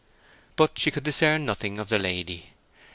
But she could discern nothing of the lady.